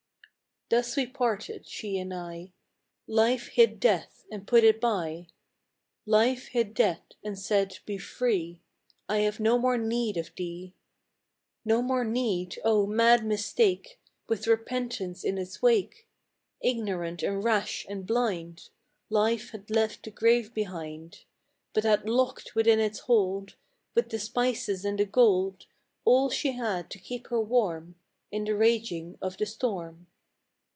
Thus we parted, she and I; Life hid death, and put it by; Life hid death, and said, " Be free! I have no more need of thee." No more need ! O, mad mistake, With repentance in its wake! Ignorant, and rash, and blind ; Life had left the grave behind; But had locked within its hold, With the spices and the gold, All she had to keep her warm In the raging of the storm.